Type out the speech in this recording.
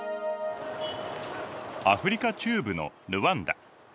アフリカ中部のルワンダ。